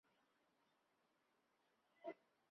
孩子渐渐长大